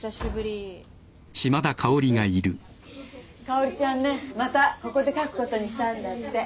佳織ちゃんねまたここで描くことにしたんだって。